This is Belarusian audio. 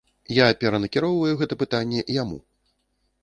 Я перанакіроўваю гэта пытанне яму.